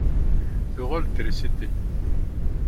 Tuɣal-d trisiti.